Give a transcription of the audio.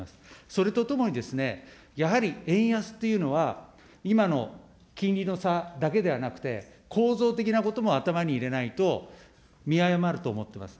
それとともにですね、やはり円安というのは、今の金利の差だけではなくて、構造的なことも頭に入れないと、見誤ると思ってます。